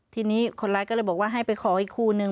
ทีนี้คนร้ายก็เลยบอกว่าให้ไปขออีกคู่นึง